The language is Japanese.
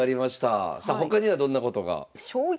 さあ他にはどんなことが。